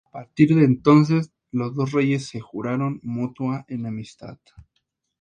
A partir de entonces los dos reyes se juraron mutua enemistad.